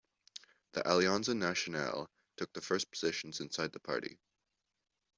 The Alianza Nacional took the first positions inside the party.